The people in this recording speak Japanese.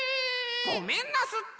ごめんなすって！